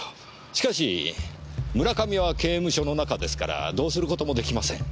しかし村上は刑務所の中ですからどうすることもできません。